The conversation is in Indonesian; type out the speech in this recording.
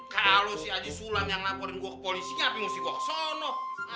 kalau si aji sulam yang laporin gua ke polisi gabing uang sih gua ke sana